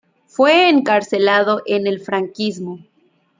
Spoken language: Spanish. Fue encarcelado en el franquismo.